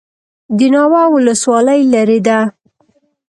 د ناوه ولسوالۍ لیرې ده